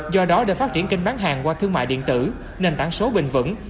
do đó để phát triển kênh bán hàng qua thương mại điện tử nền tảng số bình vững